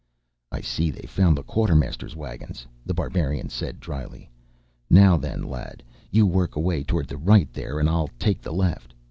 "I see they've found the quartermaster's waggons," The Barbarian said drily. "Now, then, lad you work away toward the right, there, and I'll take the left.